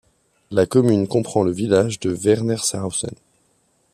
La commune comprend le village de Wernershausen.